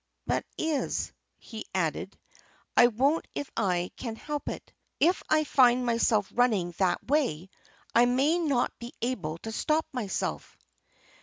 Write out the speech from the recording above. "That is," he added, "I won't if I can help it. If I find myself running that way I may not be able to stop myself."